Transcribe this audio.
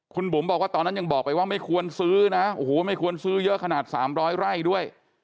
คุณบุ๋มบอกว่าตอนนั้นยังบอกไปว่าไม่ควรซื้อนะโอ้โหไม่ควรซื้อเยอะขนาด๓๐๐ไร่ด้วย